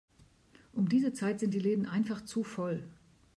Um diese Zeit sind die Läden einfach zu voll.